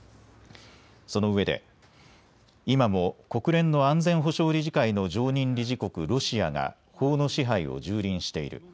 そのうえで今も国連の安全保障理事会の常任理事国、ロシアが法の支配をじゅうりんしている。